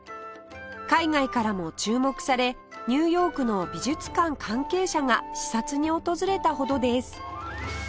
海外からも注目されニューヨークの美術館関係者が視察に訪れたほどです